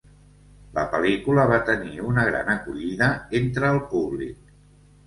La pel·lícula va tenir una gran acollida entre el públic.